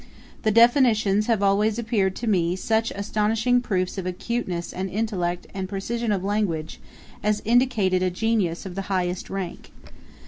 The definitions have always appeared to me such astonishing proofs of acuteness of intellect and precision of language, as indicate a genius of the highest rank.